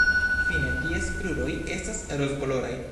Fine ties kruroj estas rozkoloraj.